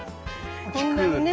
こんなにね